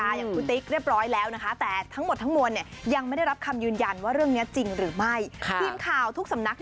อย่างคุณติ๊กเรียบร้อยแล้วนะคะแต่ทั้งหมดทั้งมวลเนี่ยยังไม่ได้รับคำยืนยันว่าเรื่องนี้จริงหรือไม่ทีมข่าวทุกสำนัก